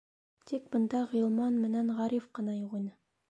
Тик бында Ғилман менән Ғариф ҡына юҡ ине.